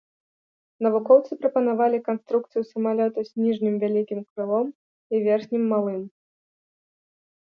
Навукоўцы прапанавалі канструкцыю самалёта з ніжнім вялікім крылом і верхнім малым.